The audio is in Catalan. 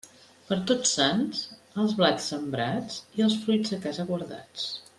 Per Tots Sants, els blats sembrats i els fruits a casa guardats.